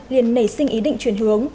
liền nảy sinh ý định chuyển hướng